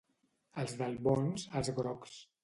Els d'Albons, els grocs.